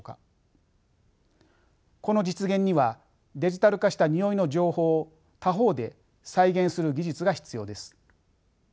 この実現にはデジタル化したにおいの情報を他方で再現する技術が必要です。